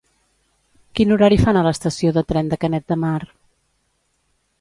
Quin horari fan a l'estació de tren de Canet de Mar?